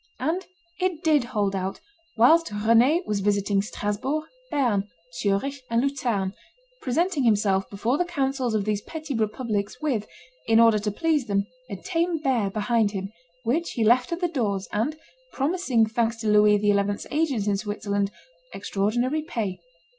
And it did hold out whilst Rend was visiting Strasbourg, Berne, Zurich, and Lucerne, presenting himself before the councils of these petty republics with, in order to please them, a tame bear behind him, which he left at the doors, and promising, thanks to Louis XI.'s agents in Switzerland, extraordinary pay.